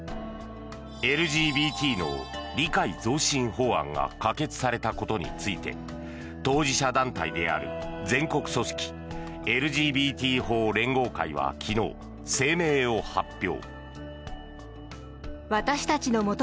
ＬＧＢＴの理解増進法案が可決されたことについて当事者団体である全国組織ＬＧＢＴ法連合会は昨日、声明を発表。